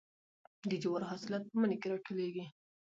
د جوارو حاصلات په مني کې راټولیږي.